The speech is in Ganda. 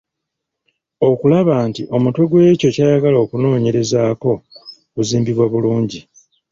Okulaba nti omutwe gw’ekyo ky’ayagala okunoonyerezaako guzimbiddwa bulungi.